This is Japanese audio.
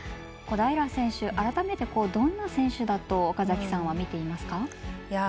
小平選手、改めてどんな選手だと岡崎さんは見ていますか？